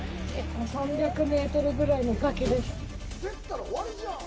３００メートルぐらいの崖です。